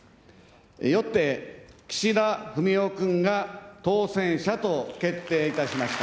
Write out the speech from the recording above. よって岸田文雄君が当選者と決定いたしました。